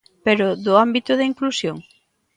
Pero ¿do ámbito da inclusión?